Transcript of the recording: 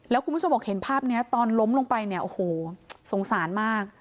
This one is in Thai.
แล้วคุณผู้ชมบอกเห็นภาพนี้ตอนล้มลงไปเนี่ยโอ้โหสงสารมาก